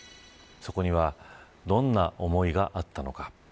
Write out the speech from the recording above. そこにはどんな思いがあったのか。